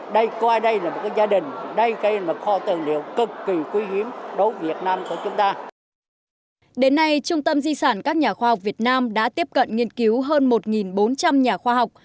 đến nay trung tâm di sản các nhà khoa học việt nam đã tiếp cận nghiên cứu hơn một bốn trăm linh nhà khoa học